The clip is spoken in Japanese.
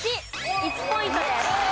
１ポイントです。